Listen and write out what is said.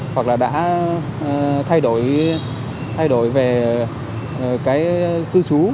hoặc là đã thay đổi về cư trú